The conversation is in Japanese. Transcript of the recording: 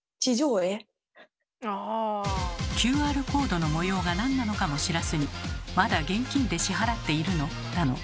ＱＲコードの模様がなんなのかも知らずに「まだ現金で支払っているの？」